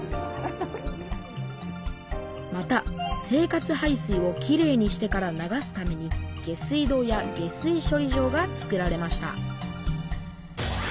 また生活排水をきれいにしてから流すために下水道や下水処理場がつくられました